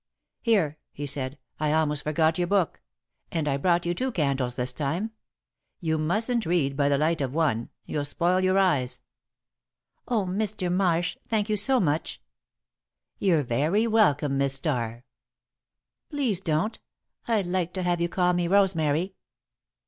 "Here," he said. "I almost forgot your book. And I brought you two candles this time. You mustn't read by the light of one you'll spoil your eyes." [Sidenote: Saying Good Night] "Oh, Mr. Marsh! Thank you so much!" "You're very welcome, Miss Starr." "Please don't. I like to have you call me Rosemary."